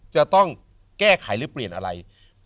จะต้องแก้ไขหรือเปลี่ยนอะไร